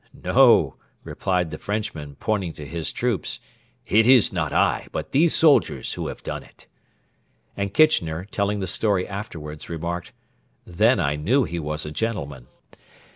'No,' replied the Frenchman, pointing to his troops; 'it is not I, but these soldiers who have done it.' And Kitchener, telling the story afterwards, remarked, 'Then I knew he was a gentleman.'